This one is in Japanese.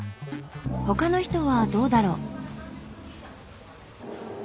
他の人はどうだろう？